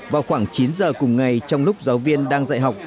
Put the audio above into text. vào khoảng chín giờ cùng ngày trong lúc giáo viên đang dạy học